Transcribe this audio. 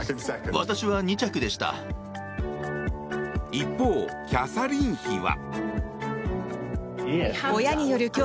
一方、キャサリン妃は。